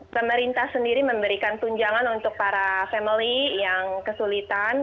pemerintah sendiri memberikan tunjangan untuk para family yang kesulitan